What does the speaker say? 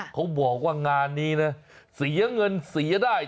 เขาบอกว่างานนี้นะเสียเงินเสียได้